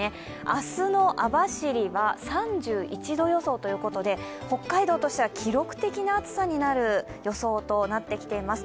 明日の網走は３１度予想ということで北海道としては記録的な暑さになる予想となってきています。